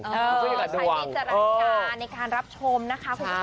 ใครที่จะรักการในการรับชมนะคะคุณผู้ชมค่ะ